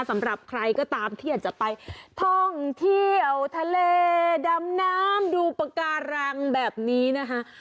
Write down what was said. สำหรับใครก็ตามที่อยากจะไปท่องเที่ยวทะเลดำน้ำดูปากการังแบบนี้นะคะ